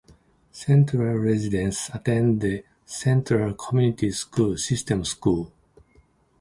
Central residents attend the Central Community School System schools.